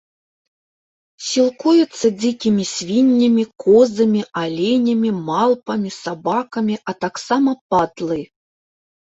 Сілкуецца дзікімі свіннямі, козамі, аленямі малпамі, сабакамі, а таксама падлай.